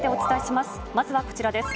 まずはこちらです。